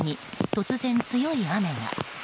突然、強い雨が。